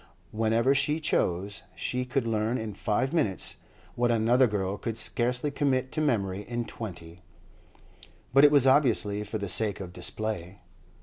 Whenever she chose, she could learn in five minutes what another girl could scarcely commit to memory in twenty; but it was obviously for the sake of display.